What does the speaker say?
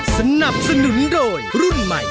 สนับสนุนโดยรุ่นใหม่